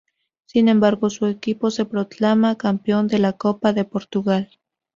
Sin embargo su equipo se proclama campeón de la Copa de Portugal.